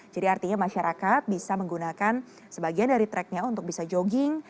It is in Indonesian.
jadi artinya masyarakat bisa menggunakan sebagian dari tracknya untuk bisa jogging